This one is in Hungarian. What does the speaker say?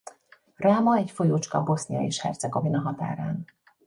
Ráma egy folyócska Bosznia és Hercegovina határán.